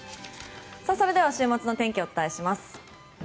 それでは週末の天気をお伝えします。